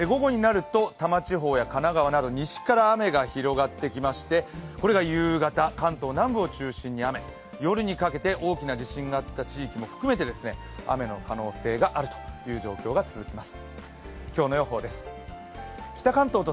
午後になると多摩地方や神奈川など西から雨が広がってきましてこれが夕方、関東南部を中心に雨、夜にかけて大きな地震があった地域も含めて雨の可能性があるという状況が続きます。